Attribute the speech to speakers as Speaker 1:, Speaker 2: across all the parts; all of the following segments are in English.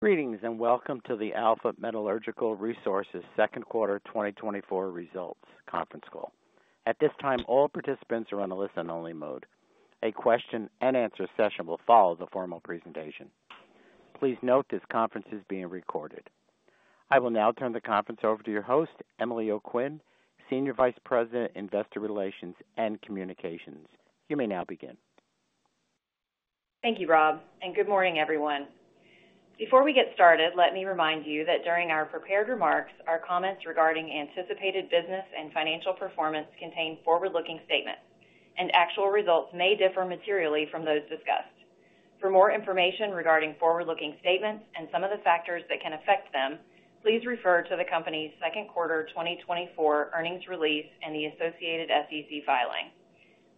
Speaker 1: Greetings and welcome to the Alpha Metallurgical Resources Q2 2024 Results Conference Call. At this time, all participants are on a listen-only mode. A question-and-answer session will follow the formal presentation. Please note this conference is being recorded. I will now turn the conference over to your host, Emily O'Quinn, Senior Vice President, Investor Relations and Communications. You may now begin.
Speaker 2: Thank you, Rob, and good morning, everyone. Before we get started, let me remind you that during our prepared remarks, our comments regarding anticipated business and financial performance contain forward-looking statements, and actual results may differ materially from those discussed. For more information regarding forward-looking statements and some of the factors that can affect them, please refer to the company's Q2 2024 earnings release and the associated SEC filing.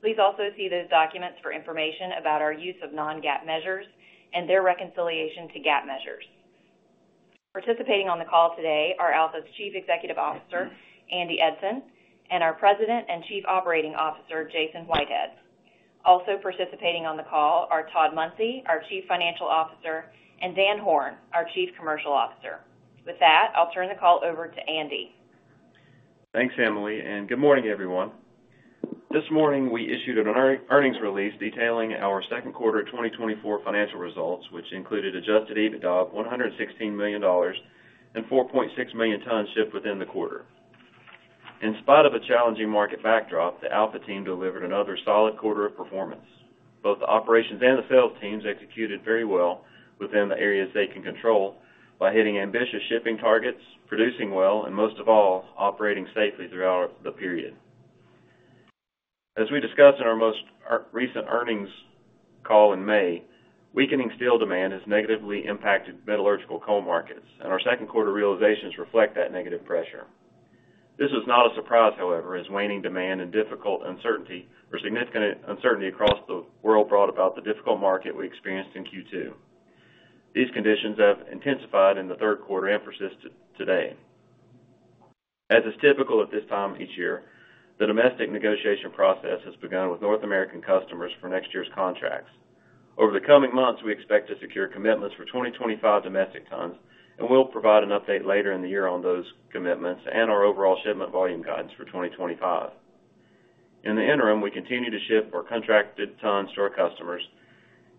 Speaker 2: Please also see those documents for information about our use of non-GAAP measures and their reconciliation to GAAP measures. Participating on the call today are Alpha's Chief Executive Officer, Andy Eidson, and our President and Chief Operating Officer, Jason Whitehead. Also participating on the call are Todd Munsey, our Chief Financial Officer, and Dan Horn, our Chief Commercial Officer. With that, I'll turn the call over to Andy.
Speaker 3: Thanks, Emily, and good morning, everyone. This morning, we issued an earnings release detailing our Q2 2024 financial results, which included Adjusted EBITDA of $116 million and 4.6 million tons shipped within the quarter. In spite of a challenging market backdrop, the Alpha team delivered another solid quarter of performance. Both the operations and the sales teams executed very well within the areas they can control by hitting ambitious shipping targets, producing well, and most of all, operating safely throughout the period. As we discussed in our most recent earnings call in May, weakening steel demand has negatively impacted metallurgical coal markets, and our Q2 realizations reflect that negative pressure. This was not a surprise, however, as waning demand and difficult uncertainty were significant uncertainty across the world brought about the difficult market we experienced in Q2. These conditions have intensified in the Q3 and persist today. As is typical at this time each year, the domestic negotiation process has begun with North American customers for next year's contracts. Over the coming months, we expect to secure commitments for 2025 domestic tons, and we'll provide an update later in the year on those commitments and our overall shipment volume guidance for 2025. In the interim, we continue to ship our contracted tons to our customers,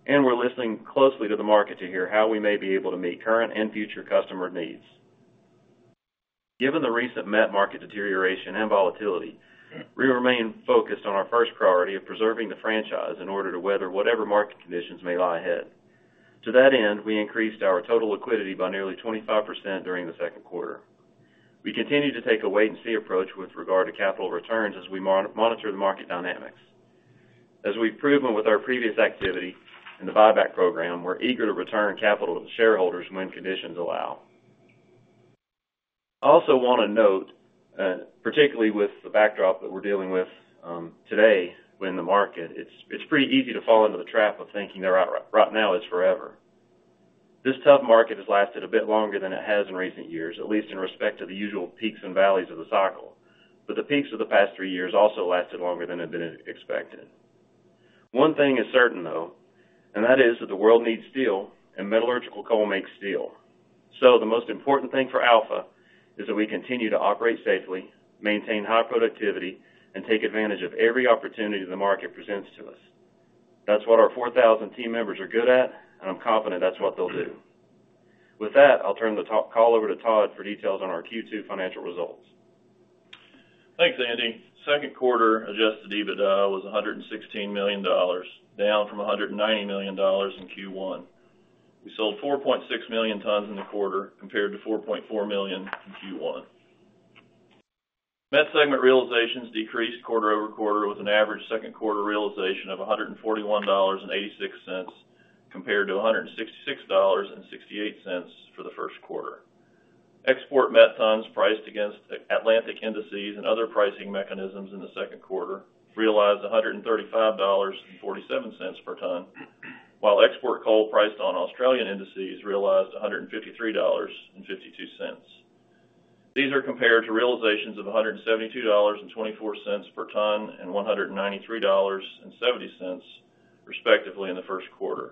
Speaker 3: and we're listening closely to the market to hear how we may be able to meet current and future customer needs. Given the recent met market deterioration and volatility, we remain focused on our first priority of preserving the franchise in order to weather whatever market conditions may lie ahead. To that end, we increased our total liquidity by nearly 25% during the Q2. We continue to take a wait-and-see approach with regard to capital returns as we monitor the market dynamics. As we've proven with our previous activity and the buyback program, we're eager to return capital to the shareholders when conditions allow. I also want to note, particularly with the backdrop that we're dealing with today in the market, it's pretty easy to fall into the trap of thinking that right now is forever. This tough market has lasted a bit longer than it has in recent years, at least in respect to the usual peaks and valleys of the cycle, but the peaks of the past three years also lasted longer than had been expected. One thing is certain, though, and that is that the world needs steel, and metallurgical coal makes steel. So the most important thing for Alpha is that we continue to operate safely, maintain high productivity, and take advantage of every opportunity the market presents to us. That's what our 4,000 team members are good at, and I'm confident that's what they'll do. With that, I'll turn the call over to Todd for details on our Q2 financial results.
Speaker 4: Thanks, Andy. Q2 adjusted EBITDA was $116 million, down from $190 million in Q1. We sold 4.6 million tons in the quarter compared to 4.4 million in Q1. Met segment realizations decreased quarter-over-quarter with an average Q2 realization of $141.86 compared to $166.68 for the Q1. Export met tons priced against Atlantic indices and other pricing mechanisms in the Q2 realized $135.47 per ton, while export coal priced on Australian indices realized $153.52. These are compared to realizations of $172.24 per ton and $193.70, respectively, in the Q1.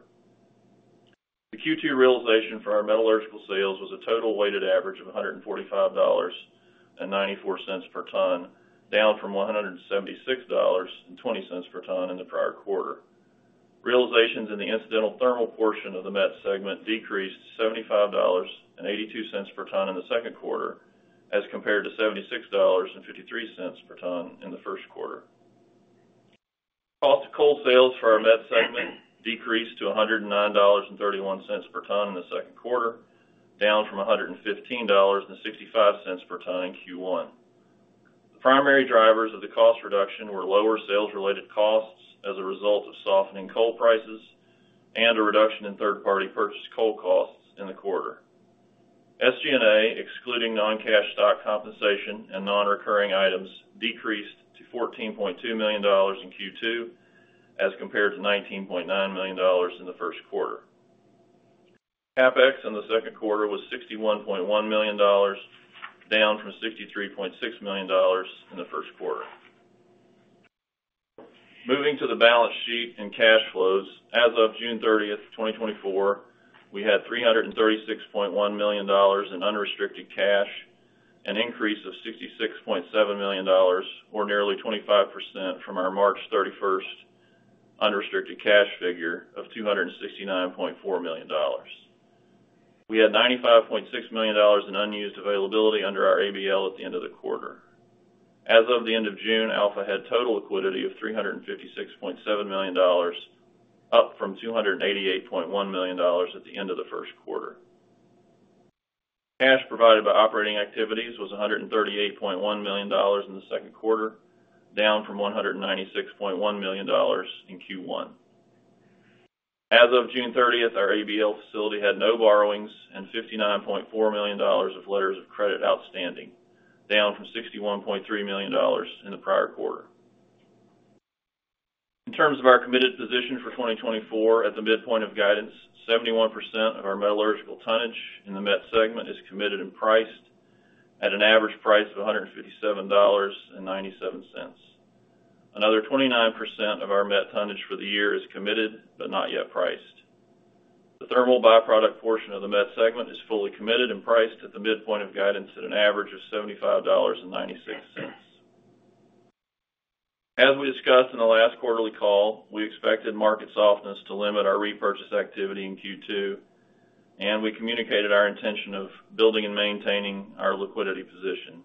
Speaker 4: The Q2 realization for our metallurgical sales was a total weighted average of $145.94 per ton, down from $176.20 per ton in the prior quarter. Realizations in the incidental thermal portion of the met segment decreased to $75.82 per ton in the Q2 as compared to $76.53 per ton in the Q1. Cost of coal sales for our met segment decreased to $109.31 per ton in the Q2, down from $115.65 per ton in Q1. The primary drivers of the cost reduction were lower sales-related costs as a result of softening coal prices and a reduction in third-party purchased coal costs in the quarter. SG&A, excluding non-cash stock compensation and non-recurring items, decreased to $14.2 million in Q2 as compared to $19.9 million in the Q1. CapEx in the Q2 was $61.1 million, down from $63.6 million in the Q1. Moving to the balance sheet and cash flows, as of June 30, 2024, we had $336.1 million in unrestricted cash, an increase of $66.7 million, or nearly 25% from our March 31, 2024 unrestricted cash figure of $269.4 million. We had $95.6 million in unused availability under our ABL at the end of the quarter. As of the end of June, Alpha had total liquidity of $356.7 million, up from $288.1 million at the end of the Q1. Cash provided by operating activities was $138.1 million in the Q2, down from $196.1 million in Q1. As of June 30, our ABL facility had no borrowings and $59.4 million of letters of credit outstanding, down from $61.3 million in the prior quarter. In terms of our committed position for 2024, at the midpoint of guidance, 71% of our metallurgical tonnage in the met segment is committed and priced at an average price of $157.97. Another 29% of our met tonnage for the year is committed but not yet priced. The thermal byproduct portion of the met segment is fully committed and priced at the midpoint of guidance at an average of $75.96. As we discussed in the last quarterly call, we expected market softness to limit our repurchase activity in Q2, and we communicated our intention of building and maintaining our liquidity position.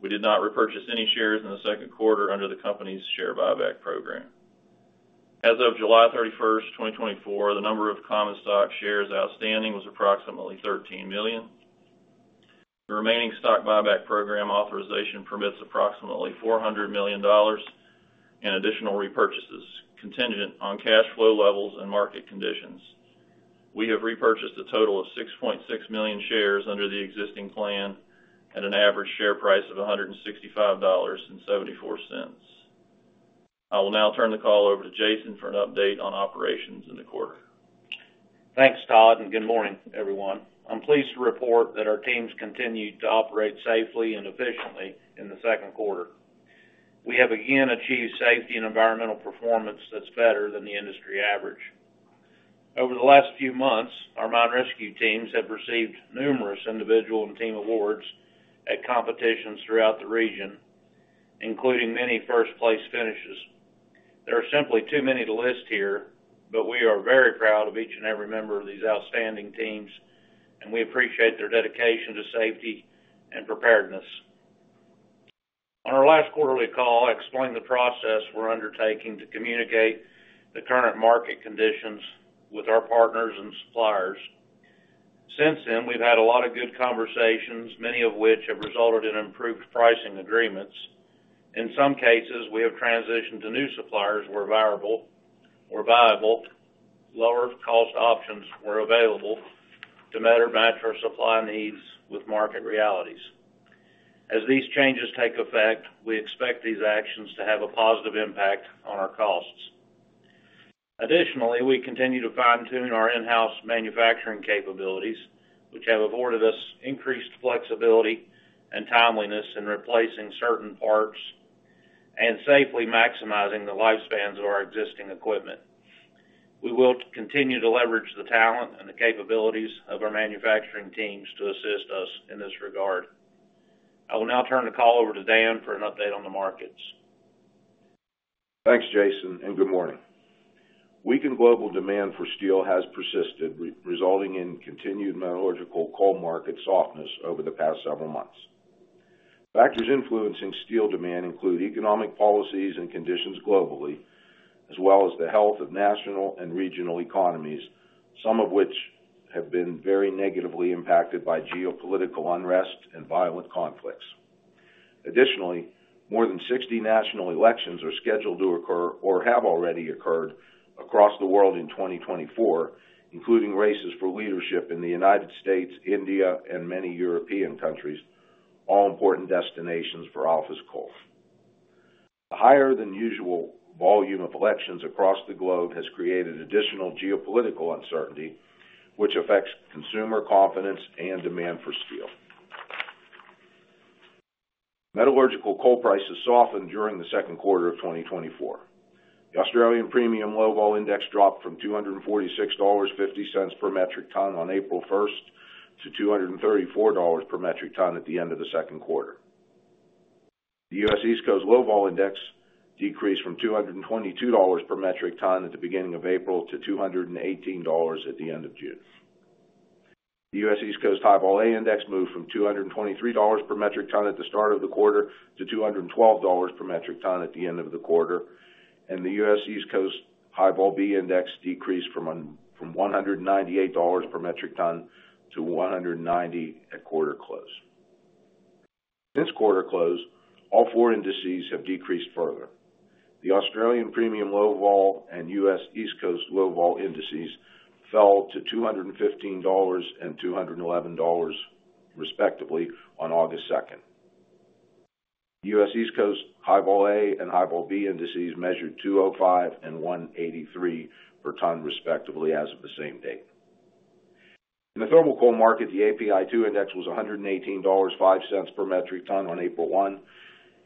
Speaker 4: We did not repurchase any shares in the Q2 under the company's share buyback program. As of July 31, 2024, the number of common stock shares outstanding was approximately 13 million. The remaining stock buyback program authorization permits approximately $400 million in additional repurchases contingent on cash flow levels and market conditions. We have repurchased a total of 6.6 million shares under the existing plan at an average share price of $165.74. I will now turn the call over to Jason for an update on operations in the quarter.
Speaker 5: Thanks, Todd, and good morning, everyone. I'm pleased to report that our teams continue to operate safely and efficiently in the Q2. We have again achieved safety and environmental performance that's better than the industry average. Over the last few months, our mine rescue teams have received numerous individual and team awards at competitions throughout the region, including many first-place finishes. There are simply too many to list here, but we are very proud of each and every member of these outstanding teams, and we appreciate their dedication to safety and preparedness. On our last quarterly call, I explained the process we're undertaking to communicate the current market conditions with our partners and suppliers. Since then, we've had a lot of good conversations, many of which have resulted in improved pricing agreements. In some cases, we have transitioned to new suppliers where viable, lower-cost options were available to better match our supply needs with market realities. As these changes take effect, we expect these actions to have a positive impact on our costs. Additionally, we continue to fine-tune our in-house manufacturing capabilities, which have afforded us increased flexibility and timeliness in replacing certain parts and safely maximizing the lifespans of our existing equipment. We will continue to leverage the talent and the capabilities of our manufacturing teams to assist us in this regard. I will now turn the call over to Dan for an update on the markets.
Speaker 6: Thanks, Jason, and good morning. Weakened global demand for steel has persisted, resulting in continued metallurgical coal market softness over the past several months. Factors influencing steel demand include economic policies and conditions globally, as well as the health of national and regional economies, some of which have been very negatively impacted by geopolitical unrest and violent conflicts. Additionally, more than 60 national elections are scheduled to occur or have already occurred across the world in 2024, including races for leadership in the United States, India, and many European countries, all important destinations for Alpha's coal. A higher-than-usual volume of elections across the globe has created additional geopolitical uncertainty, which affects consumer confidence and demand for steel. Metallurgical coal prices softened during the Q2 of 2024. The Australian Premium Low Vol Index dropped from $246.50 per metric ton on April 1 to $234 per metric ton at the end of the Q2. The U.S. East Coast Low Vol Index decreased from $222 per metric ton at the beginning of April to $218 at the end of June. The U.S. East Coast High Vol A Index moved from $223 per metric ton at the start of the quarter to $212 per metric ton at the end of the quarter, and the U.S. East Coast High Vol B Index decreased from $198 per metric ton to $190 at quarter close. Since quarter close, all four indices have decreased further. The Australian Premium Low Vol and U.S. East Coast Low Vol indices fell to $215 and $211, respectively, on August 2. U.S. East Coast High Vol A and High Vol B indices measured 205 and 183 per ton, respectively, as of the same date. In the thermal coal market, the API 2 Index was $118.05 per metric ton on April 1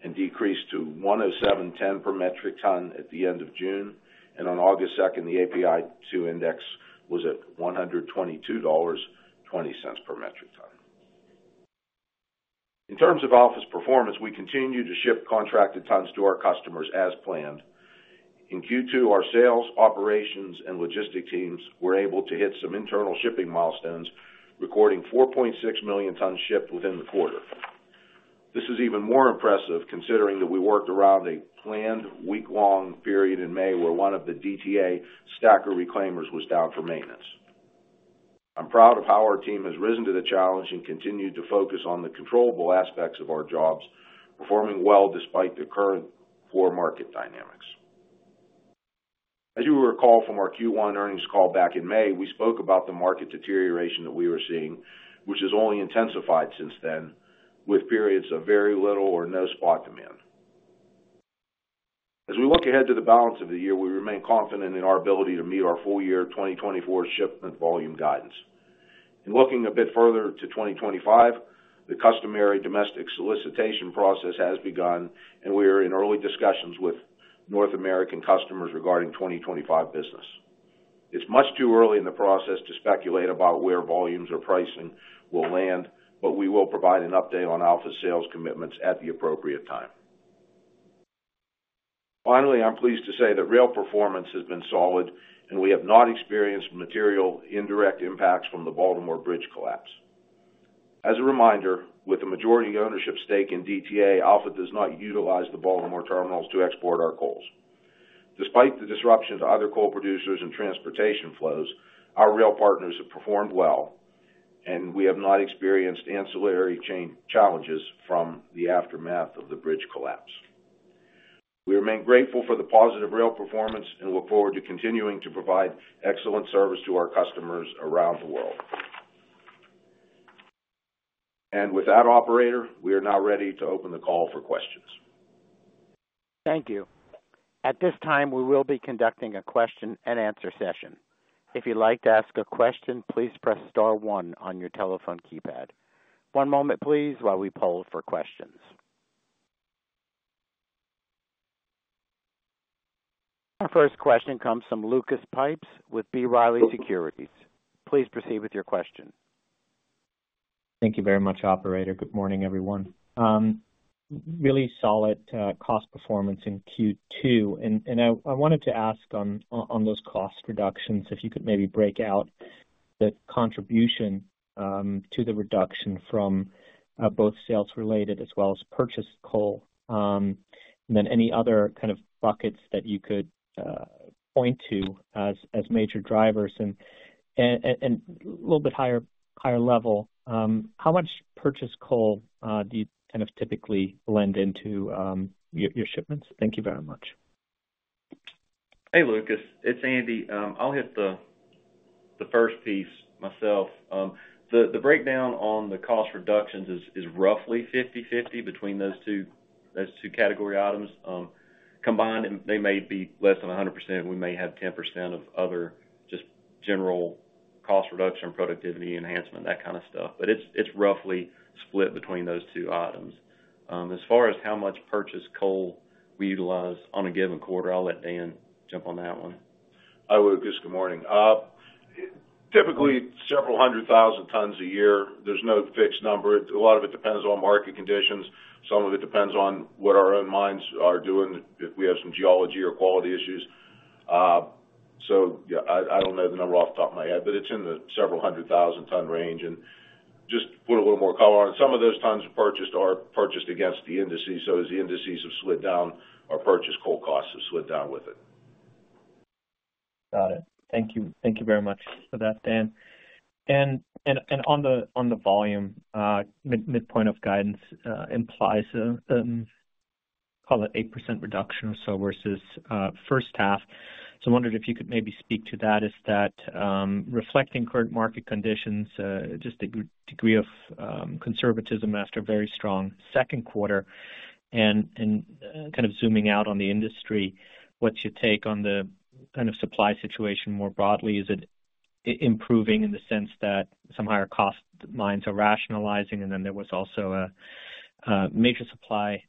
Speaker 6: and decreased to $107.10 per metric ton at the end of June, and on August 2, the API 2 Index was at $122.20 per metric ton. In terms of Alpha's performance, we continue to ship contracted tons to our customers as planned. In Q2, our sales, operations, and logistics teams were able to hit some internal shipping milestones, recording 4.6 million tons shipped within the quarter. This is even more impressive considering that we worked around a planned week-long period in May where one of the DTA stacker reclaimers was down for maintenance. I'm proud of how our team has risen to the challenge and continued to focus on the controllable aspects of our jobs, performing well despite the current poor market dynamics. As you recall from our Q1 earnings call back in May, we spoke about the market deterioration that we were seeing, which has only intensified since then, with periods of very little or no spot demand. As we look ahead to the balance of the year, we remain confident in our ability to meet our full-year 2024 shipment volume guidance. In looking a bit further to 2025, the customary domestic solicitation process has begun, and we are in early discussions with North American customers regarding 2025 business. It's much too early in the process to speculate about where volumes or pricing will land, but we will provide an update on Alpha's sales commitments at the appropriate time. Finally, I'm pleased to say that rail performance has been solid, and we have not experienced material indirect impacts from the Baltimore Bridge collapse. As a reminder, with a majority ownership stake in DTA, Alpha does not utilize the Baltimore terminals to export our coals. Despite the disruption to other coal producers and transportation flows, our rail partners have performed well, and we have not experienced ancillary challenges from the aftermath of the bridge collapse. We remain grateful for the positive rail performance and look forward to continuing to provide excellent service to our customers around the world. With that, operator, we are now ready to open the call for questions.
Speaker 1: Thank you. At this time, we will be conducting a question-and-answer session. If you'd like to ask a question, please press star one on your telephone keypad. One moment, please, while we poll for questions. Our first question comes from Lucas Pipes with B. Riley Securities. Please proceed with your question.
Speaker 7: Thank you very much, operator. Good morning, everyone. Really solid cost performance in Q2. I wanted to ask on those cost reductions, if you could maybe break out the contribution to the reduction from both sales-related as well as purchased coal, and then any other kind of buckets that you could point to as major drivers. A little bit higher level, how much purchased coal do you kind of typically lend into your shipments? Thank you very much.
Speaker 3: Hey, Lucas. It's Andy. I'll hit the first piece myself. The breakdown on the cost reductions is roughly 50/50 between those two category items. Combined, they may be less than 100%. We may have 10% of other just general cost reduction or productivity enhancement, that kind of stuff. But it's roughly split between those two items. As far as how much purchased coal we utilize on a given quarter, I'll let Dan jump on that one.
Speaker 6: Hi, Lucas. Good morning. Typically, several hundred thousand tons a year. There's no fixed number. A lot of it depends on market conditions. Some of it depends on what our own mines are doing, if we have some geology or quality issues. So I don't know the number off the top of my head, but it's in the several hundred thousand-ton range. And just put a little more color on it. Some of those tons purchased are purchased against the indices, so as the indices have slid down, our purchased coal costs have slid down with it.
Speaker 7: Got it. Thank you very much for that, Dan. And on the volume, midpoint of guidance implies a, call it, 8% reduction or so versus first half. So I wondered if you could maybe speak to that, is that reflecting current market conditions, just a degree of conservatism after a very strong Q2. And kind of zooming out on the industry, what's your take on the kind of supply situation more broadly? Is it improving in the sense that some higher-cost mines are rationalizing, and then there was also a major supply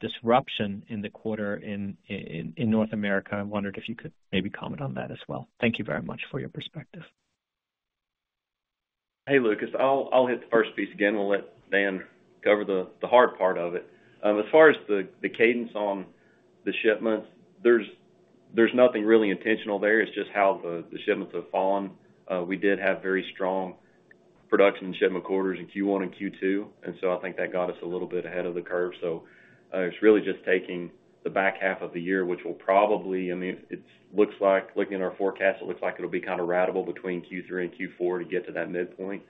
Speaker 7: disruption in the quarter in North America? I wondered if you could maybe comment on that as well. Thank you very much for your perspective.
Speaker 3: Hey, Lucas. I'll hit the first piece again. We'll let Dan cover the hard part of it. As far as the cadence on the shipments, there's nothing really intentional there. It's just how the shipments have fallen. We did have very strong production and shipment quarters in Q1 and Q2, and so I think that got us a little bit ahead of the curve. So it's really just taking the back half of the year, which will probably, I mean, it looks like, looking at our forecast, it looks like it'll be kind of ratable between Q3 and Q4 to get to that midpoint.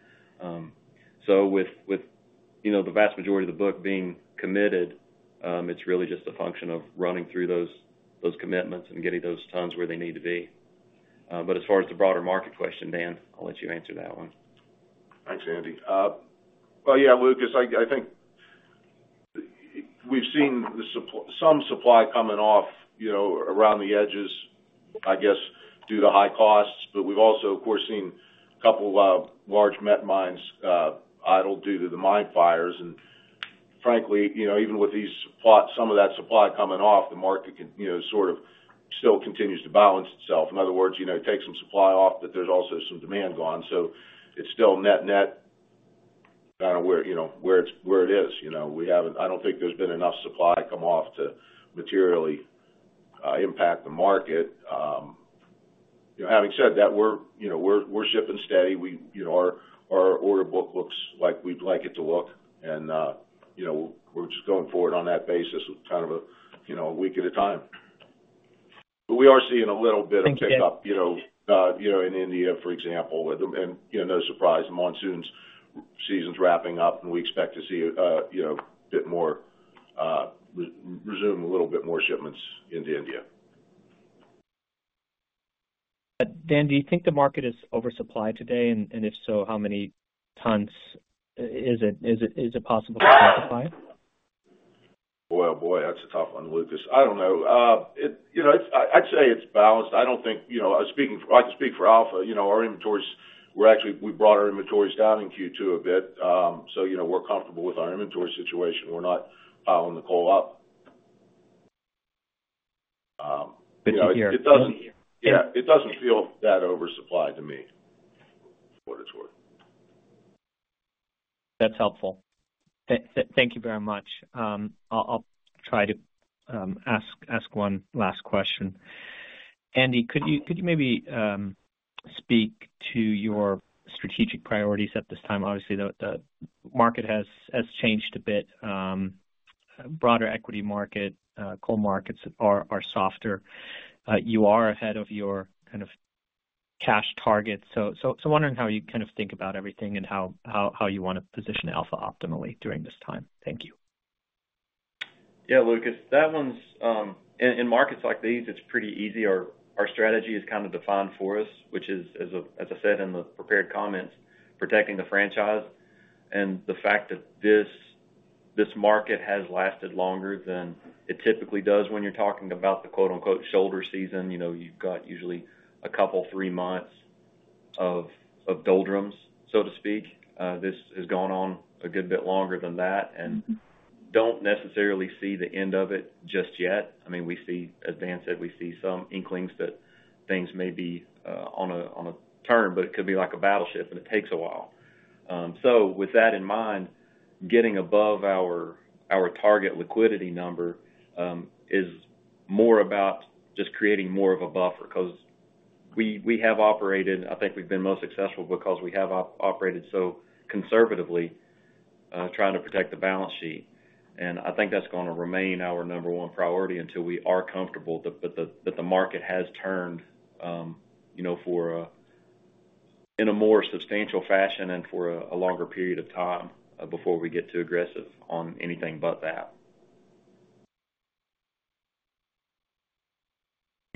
Speaker 3: So with the vast majority of the book being committed, it's really just a function of running through those commitments and getting those tons where they need to be. But as far as the broader market question, Dan, I'll let you answer that one.
Speaker 6: Thanks, Andy. Well, yeah, Lucas, I think we've seen some supply coming off around the edges, I guess, due to high costs. But we've also, of course, seen a couple of large met mines idle due to the mine fires. And frankly, even with these plots, some of that supply coming off, the market sort of still continues to balance itself. In other words, it takes some supply off, but there's also some demand gone. So it's still net-net kind of where it is. I don't think there's been enough supply come off to materially impact the market. Having said that, we're shipping steady. Our order book looks like we'd like it to look, and we're just going forward on that basis with kind of a week at a time. But we are seeing a little bit of pickup in India, for example. No surprise, monsoon season's wrapping up, and we expect to see a bit more resumption, a little bit more shipments into India.
Speaker 7: Dan, do you think the market is oversupplied today? And if so, how many tons is it possible to quantify?
Speaker 6: Well, boy, that's a tough one, Lucas. I don't know. I'd say it's balanced. I don't think I can speak for Alpha. Our inventories, we brought our inventories down in Q2 a bit, so we're comfortable with our inventory situation. We're not piling the coal up.
Speaker 3: Good to hear.
Speaker 6: Yeah. It doesn't feel that oversupplied to me, what it's worth.
Speaker 7: That's helpful. Thank you very much. I'll try to ask one last question. Andy, could you maybe speak to your strategic priorities at this time? Obviously, the market has changed a bit. Broader equity market, coal markets are softer. You are ahead of your kind of cash targets. So wondering how you kind of think about everything and how you want to position Alpha optimally during this time. Thank you.
Speaker 3: Yeah, Lucas. In markets like these, it's pretty easy. Our strategy is kind of defined for us, which is, as I said in the prepared comments, protecting the franchise. And the fact that this market has lasted longer than it typically does when you're talking about the "shoulder season," you've got usually a couple, three months of doldrums, so to speak. This has gone on a good bit longer than that and don't necessarily see the end of it just yet. I mean, as Dan said, we see some inklings that things may be on a turn, but it could be like a battleship, and it takes a while. So with that in mind, getting above our target liquidity number is more about just creating more of a buffer because we have operated. I think we've been most successful because we have operated so conservatively trying to protect the balance sheet. I think that's going to remain our number one priority until we are comfortable that the market has turned in a more substantial fashion and for a longer period of time before we get too aggressive on anything but that.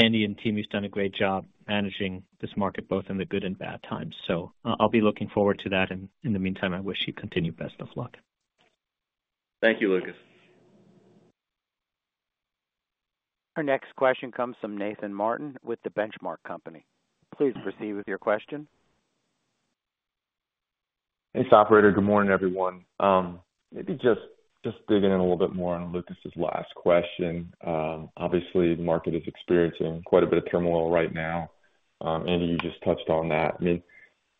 Speaker 7: Andy and team, you've done a great job managing this market both in the good and bad times. I'll be looking forward to that. In the meantime, I wish you continued best of luck.
Speaker 3: Thank you, Lucas.
Speaker 1: Our next question comes from Nathan Martin with The Benchmark Company. Please proceed with your question.
Speaker 8: Hey, operator. Good morning, everyone. Maybe just digging in a little bit more on Lucas's last question. Obviously, the market is experiencing quite a bit of turmoil right now. Andy, you just touched on that. I mean,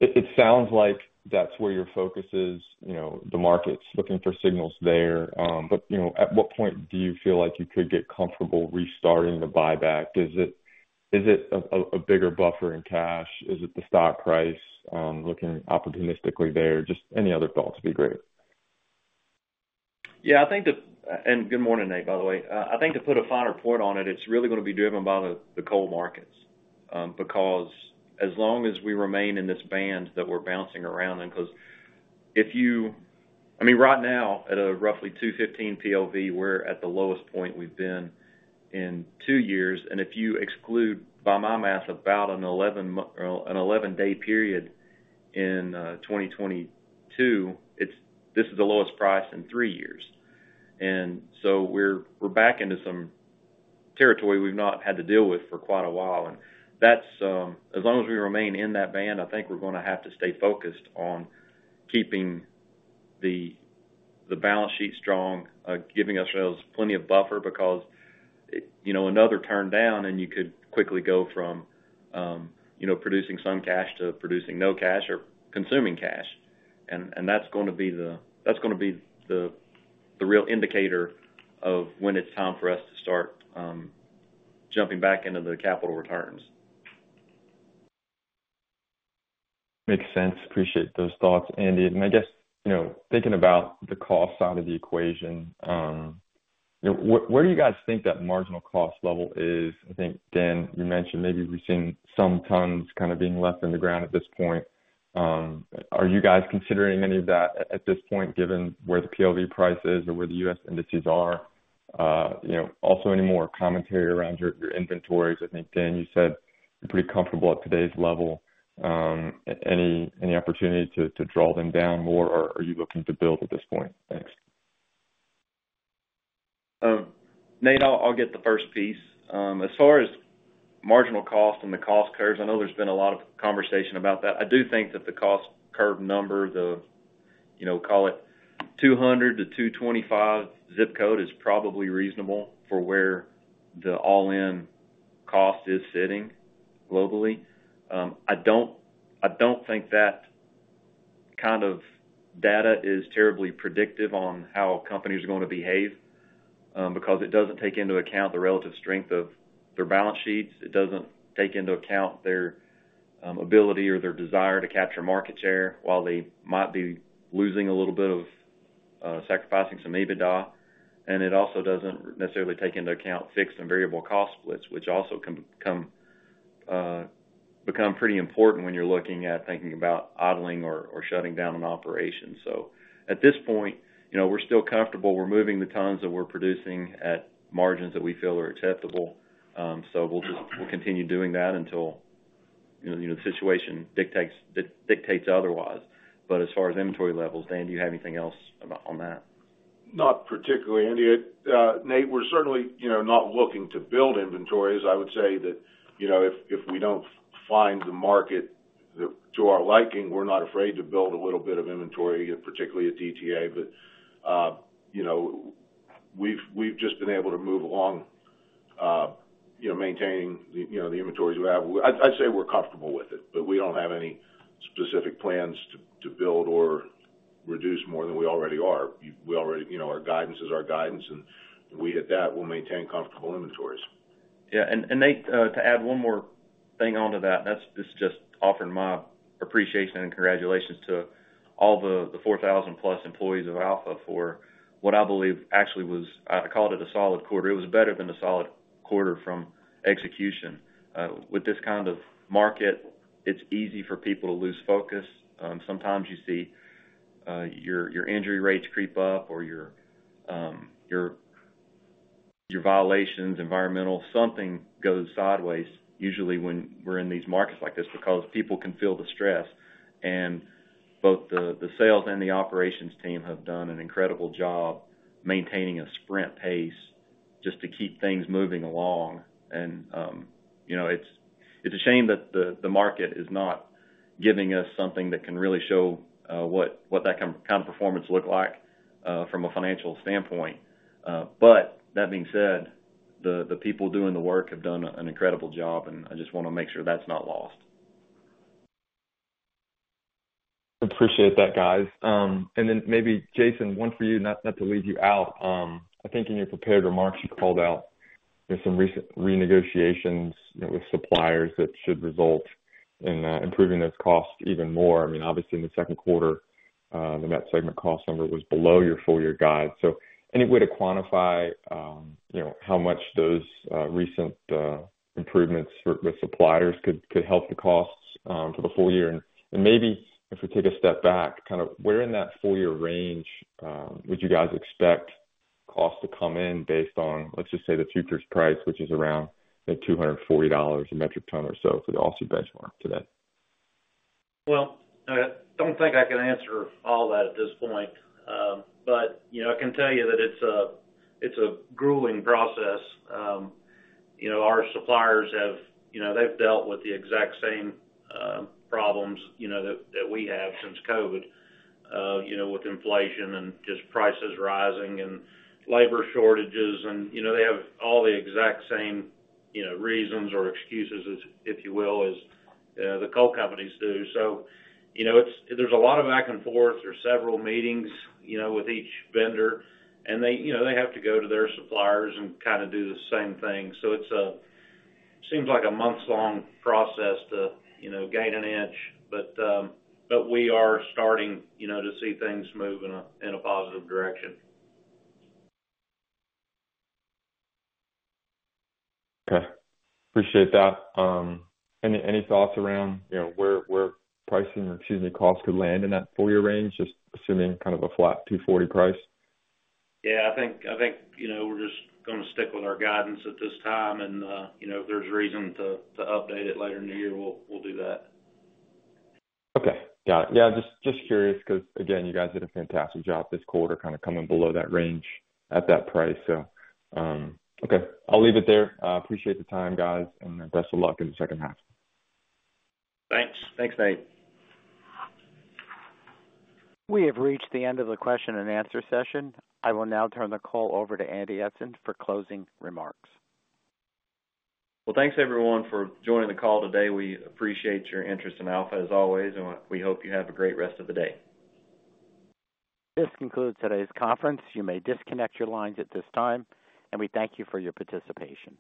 Speaker 8: it sounds like that's where your focus is. The market's looking for signals there. But at what point do you feel like you could get comfortable restarting the buyback? Is it a bigger buffer in cash? Is it the stock price looking opportunistically there? Just any other thoughts would be great.
Speaker 3: Yeah. Good morning, Nate, by the way. I think to put a finer point on it, it's really going to be driven by the coal markets because as long as we remain in this band that we're bouncing around in, because if you—I mean, right now, at a roughly 215 PLV, we're at the lowest point we've been in two years. If you exclude, by my math, about an 11-day period in 2022, this is the lowest price in three years. So we're back into some territory we've not had to deal with for quite a while. As long as we remain in that band, I think we're going to have to stay focused on keeping the balance sheet strong, giving ourselves plenty of buffer because another turn down, and you could quickly go from producing some cash to producing no cash or consuming cash. That's going to be the real indicator of when it's time for us to start jumping back into the capital returns.
Speaker 8: Makes sense. Appreciate those thoughts, Andy. And I guess thinking about the cost side of the equation, where do you guys think that marginal cost level is? I think, Dan, you mentioned maybe we've seen some tons kind of being left in the ground at this point. Are you guys considering any of that at this point, given where the PLV price is or where the U.S. indices are? Also, any more commentary around your inventories? I think, Dan, you said you're pretty comfortable at today's level. Any opportunity to draw them down more, or are you looking to build at this point? Thanks.
Speaker 3: Nate, I'll get the first piece. As far as marginal cost and the cost curves, I know there's been a lot of conversation about that. I do think that the cost curve number, the, call it, $200-$225 zip code is probably reasonable for where the all-in cost is sitting globally. I don't think that kind of data is terribly predictive on how companies are going to behave because it doesn't take into account the relative strength of their balance sheets. It doesn't take into account their ability or their desire to capture market share while they might be losing a little bit of sacrificing some EBITDA. And it also doesn't necessarily take into account fixed and variable cost splits, which also become pretty important when you're looking at thinking about idling or shutting down an operation. So at this point, we're still comfortable. We're moving the tons that we're producing at margins that we feel are acceptable. So we'll continue doing that until the situation dictates otherwise. But as far as inventory levels, Dan, do you have anything else on that?
Speaker 6: Not particularly, Andy. Nate, we're certainly not looking to build inventories. I would say that if we don't find the market to our liking, we're not afraid to build a little bit of inventory, particularly at DTA. But we've just been able to move along maintaining the inventories we have. I'd say we're comfortable with it, but we don't have any specific plans to build or reduce more than we already are. Our guidance is our guidance, and we hit that. We'll maintain comfortable inventories.
Speaker 3: Yeah. And Nate, to add one more thing onto that, and this is just offering my appreciation and congratulations to all the 4,000-plus employees of Alpha for what I believe actually was. I called it a solid quarter. It was better than a solid quarter from execution. With this kind of market, it's easy for people to lose focus. Sometimes you see your injury rates creep up or your violations, environmental, something goes sideways, usually when we're in these markets like this because people can feel the stress. And both the sales and the operations team have done an incredible job maintaining a sprint pace just to keep things moving along. And it's a shame that the market is not giving us something that can really show what that kind of performance looks like from a financial standpoint. That being said, the people doing the work have done an incredible job, and I just want to make sure that's not lost.
Speaker 8: Appreciate that, guys. Then maybe, Jason, one for you, not to leave you out. I think in your prepared remarks, you called out some recent renegotiations with suppliers that should result in improving those costs even more. I mean, obviously, in the Q2, the met segment cost number was below your full-year guide. So any way to quantify how much those recent improvements with suppliers could help the costs for the full year? And maybe if we take a step back, kind of where in that full-year range would you guys expect costs to come in based on, let's just say, the two-thirds price, which is around $240 a metric ton or so for the Australian benchmark today?
Speaker 3: Well, I don't think I can answer all that at this point, but I can tell you that it's a grueling process. Our suppliers, they've dealt with the exact same problems that we have since COVID with inflation and just prices rising and labor shortages. And they have all the exact same reasons or excuses, if you will, as the coal companies do. So there's a lot of back and forth. There's several meetings with each vendor, and they have to go to their suppliers and kind of do the same thing. So it seems like a months-long process to gain an inch, but we are starting to see things move in a positive direction.
Speaker 8: Okay. Appreciate that. Any thoughts around where pricing, excuse me, costs could land in that full-year range, just assuming kind of a flat $240 price?
Speaker 3: Yeah. I think we're just going to stick with our guidance at this time. If there's reason to update it later in the year, we'll do that.
Speaker 8: Okay. Got it. Yeah. Just curious because, again, you guys did a fantastic job this quarter kind of coming below that range at that price. So okay. I'll leave it there. Appreciate the time, guys, and best of luck in the second half.
Speaker 3: Thanks. Thanks, Nate.
Speaker 1: We have reached the end of the question-and-answer session. I will now turn the call over to Andy Eidson for closing remarks.
Speaker 3: Well, thanks, everyone, for joining the call today. We appreciate your interest in Alpha, as always, and we hope you have a great rest of the day.
Speaker 1: This concludes today's conference. You may disconnect your lines at this time, and we thank you for your participation.